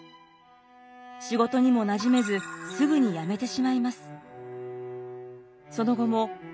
仕事にもなじめずすぐに辞めてしまいます。